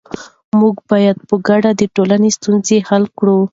موږ باید په ګډه د ټولنې ستونزې حل کړو.